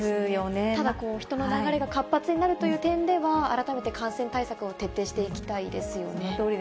ただこう、人の流れが活発になるという点では、改めて感染対策を徹底していそのとおりですよね。